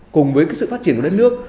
cùng với sự phát triển của đất nước